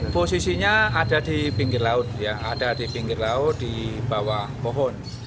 posisinya ada di pinggir laut di bawah pohon